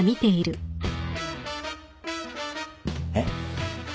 えっ？